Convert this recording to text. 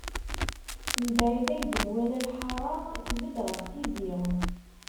Mebɛid ay d-nwala, lḥara tbedd ɣef tizi.